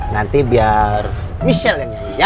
nanti biar michelle yang nyanyi ya